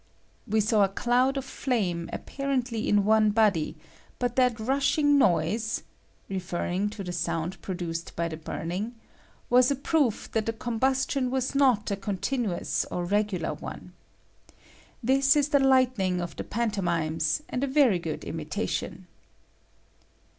"W^e saw a cloud of flame, apparently in one body; but that rushing noise [referring to the Bound produced by the burning] was a proof that the combustion was not a continuous or regular one. This is the lightning of the pan tomimes, and a very good imitation.